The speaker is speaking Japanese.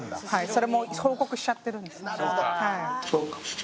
それも報告しちゃってるんです。